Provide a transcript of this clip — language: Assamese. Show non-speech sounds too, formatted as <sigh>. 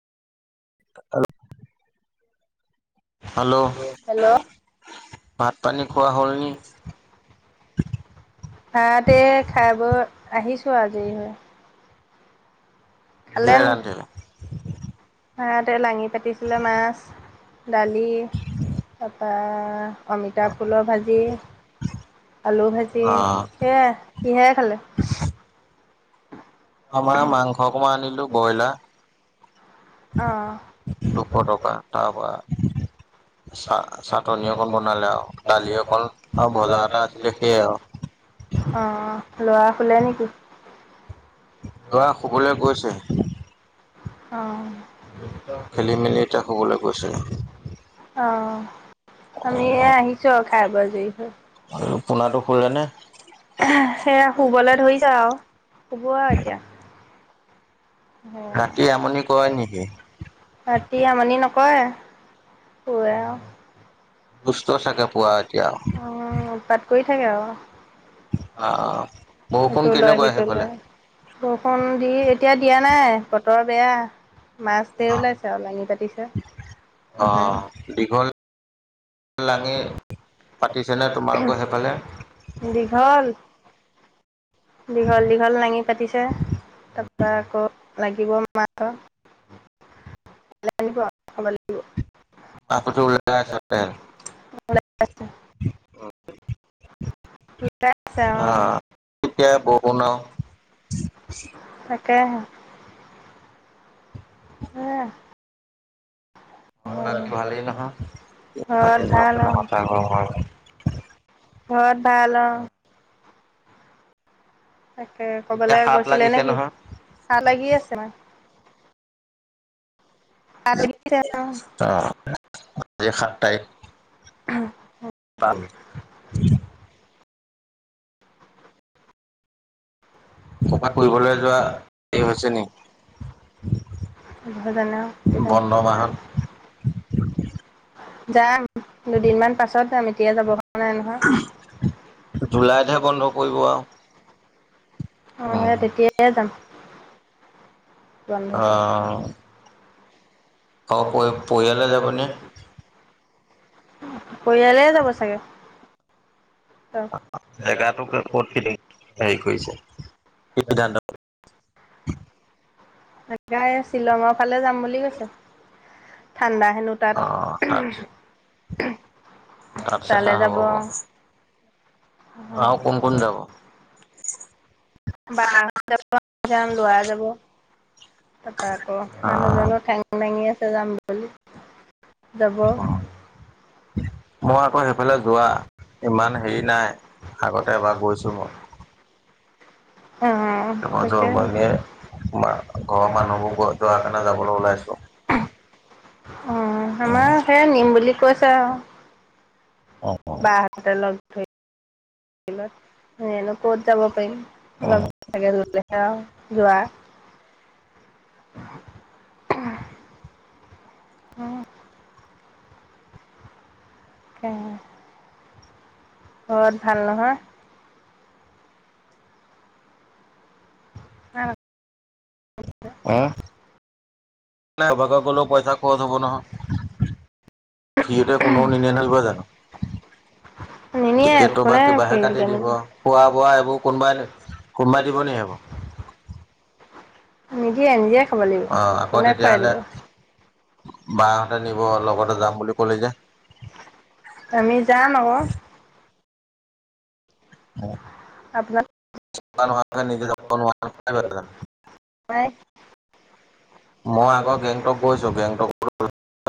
আৰু হেল্ল'হেল্ল' পাঠ পানী খোৱা হ'ল নি? ভাতে এই খাই বৈ আহিছ ছো আজি হয়। সিয়ে ৰান্ধে নে? ইয়াতে লাঙি পাতিছিলে মাছ, দালি, তাৰাপা অমিতা ফুলৰ ভাজি, আলু ভাজি, অ' সেয়াই কিহেৰে খালে? অ' মই মাংস অকমান আনিলো ব্ৰইলা। <unintelligible> টকা তাৰ পৰা অঁহ চা চাটনি অকণ বনালে অঁহ আৰু দালি অকণ আৰু ভজা এটা ল'ৰা আছিলে সেয়াই আৰু শুলে নেকি? ল'ৰা শুবলৈ গৈছে। অঁ। খেলি মেলি এতিয়া শুবলৈ গৈছে <unintelligible> অঁহ আমি এ আহিছো আও খাই বৈ আজৰি হৈ। পোৱাটো শুলে নে? সেয়া শুবলৈ ধৰিছে আও শুব আও এতিয়া। ৰাতি আমনি কৰে নেকি? ৰাতি আমনি নকৰে। <unintelligible> দুষ্ট চাগে পুৱা এতিয়া উৎপাত কৰি সেয়া অ' বৰষুণ সটো লয় কেনেকুৱা সিটো সেইফালে? লয়, বৰষুণ দি এতিয়া দিয়া নাই বতৰ বেয়া। মাছ ধেৰ ওলাইছে আৰু লাঙি পাতিছে। অহ কি <inaudible> বল পাতিছেনে তোমালোকৰ সেইফালে? দীঘল। দীঘল দীঘল লাঙি পাতিছে তাৰপৰা আকৌ। লাগিব মা অ'। লাগিব। আপুতো ওলাই আছে পে <inaudible> অ' অহ এতিয়া বৈ বনাওঁ। <inaudible> কেহে সেয়া ঘৰত বাকী ভালেই নহয় <unintelligible> ঘৰত বাকী ভাল ঘৰখনৰ অ' কথা <unintelligible> হয় ঘৰত ভাল অহ তাকে এতিয়া কবালে সাত গৈছিলে লাগিছে নেকি নহয়, ভাত লাগি আছে মায়ে হাত লাগি আছে অ'। আজি সাত তাৰিক <unintelligible> পাল। ক'ৰবাত কবাত ফুৰিবলৈ যোৱা হেৰি এই হৈছে নি হৈছেনি। উভ যানে অ'। বন্ধ মাহত। যাম। দুদিনমান পাছত যাম তিয়া যাব ক অনাই নহয়। জুলাইতহে বন্ধ পৰিব আউ। অ', উম, সেই তেতিয়াই যাম। অ। বন্ধতে অ, পৰি-পৰিয়ালে যাবনে? পৰিয়ালে যাব চাগে। জেগটোক ক'ত <unintelligible> হেৰি কৰিছে? কি সিদ্ধান্ত? জেগা এ চিলিংপ ফালে যাম বুলি কৈছে। ঠাণ্ডা হেনো তাত, অ', তাত তাত তালে যাব। অ' কোন কোন যাব? বা <unintelligible> লোৱা যাব। তাৰপা আকৌ অ', মানুহজনো ঠেঙ দাঙি আছ যাম বুলি। যাব। মই আকৌ সিফেলা যোৱা ইমান হেৰি নাই আগতে আাগতে এবাৰ আমাৰ <unintelligible> <unintelligible> মা ঘৰৰ মানুহবোৰ গ যোৱাৰ কাৰণে যাবলৈ ওলাইছো। অ' আমাৰ সেয়ে নিম বুলি কৈছে আৰু, অ', বা হাতে লগ ধৰি। <unintelligible> হেনো ক'ত যাব পাৰিম। অ', <unintelligible> আৰু। যোৱা <unintelligible> কে ঘৰত ভাল নহয়? <unintelligible> <unintelligible> এভাগত গ'লেও পইচা খৰচ হ'ব নহয়, ফ্ৰিতে কোনেও নিনিয়ে নহয় নিব জনো? নিনিয়ে টিকেটো বা কোনে কিবাহে ফ্ৰীত কাটি জানিব। দিব, খোৱা, বোৱা এইবোৰ কোনোবাই, কোনোবাই দিব নি, সেইবোৰ? নিদিয়ে, নিজে খাব লাগিব অ', আকৌ তেতিয়াহ'লে <unintelligible> বাহঁতে নিব লগতে যাম বুলি কলি যে, আমি যাম আকৌ। আপোনাক <unintelligible> <unintelligible> মই আগৰ গেংটক গৈঁছো গেংটকত <inaudible>